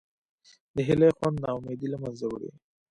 د هیلې خوند نا امیدي له منځه وړي.